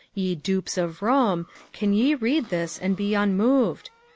Te dupes of Rome, can jc read this and be unmoved